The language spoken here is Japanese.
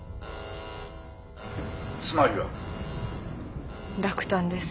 「つまりは？」。落胆です。